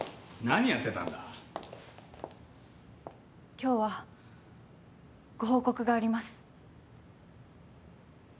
今日はご報告があります。